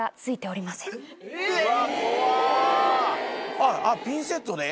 あっピンセットで？